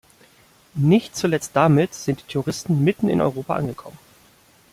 Nicht zuletzt damit sind die Terroristen mitten in Europa angekommen.